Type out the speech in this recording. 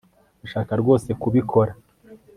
Urashaka rwose kubikora